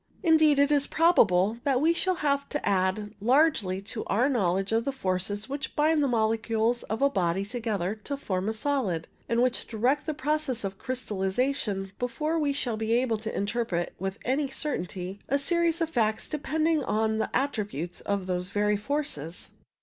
Indeed, it is probable that we shall have to add largely to our knowledge of the forces which bind the molecules of a body together to form a solid, and which direct the pro cesses of crystallization before we shall be able to interpret with any certainty a series of facts depend ing on the attributes of those very forces.